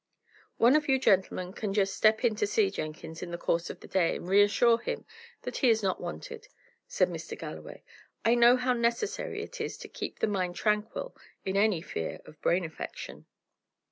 "One of you gentlemen can just step in to see Jenkins in the course of the day, and reassure him that he is not wanted," said Mr. Galloway. "I know how necessary it is to keep the mind tranquil in any fear of brain affection."